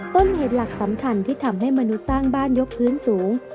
ต้นเหตุหลักสำคัญที่ทำให้มนุษย์สร้างบ้านยกพื้นสูง